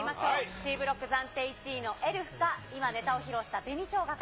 Ｃブロック暫定１位のエルフか、今ネタを披露した紅しょうがか。